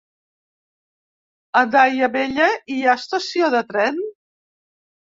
A Daia Vella hi ha estació de tren?